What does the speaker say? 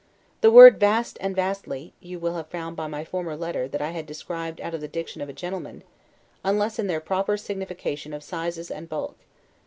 The word VAST and VASTLY, you will have found by my former letter that I had proscribed out of the diction of a gentleman, unless in their proper signification of sizes and BULK.